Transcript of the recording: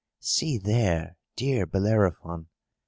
"See there, dear Bellerophon!